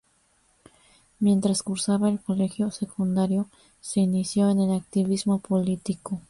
Mientras cursaba el colegio secundario se inició en el activismo político.